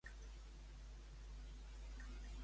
Va estudiar fora d'Espanya?